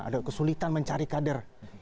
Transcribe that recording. ada kesulitan mencari kader